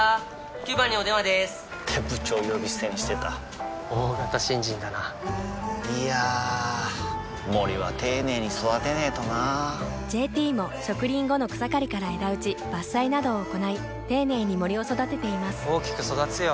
９番にお電話でーす！って部長呼び捨てにしてた大型新人だないやー森は丁寧に育てないとな「ＪＴ」も植林後の草刈りから枝打ち伐採などを行い丁寧に森を育てています大きく育つよ